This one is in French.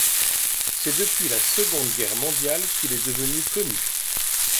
C'est depuis la Seconde Guerre mondiale qu'il est devenu connu.